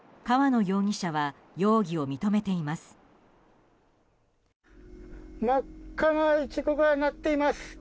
河野容疑者は容疑を認めています。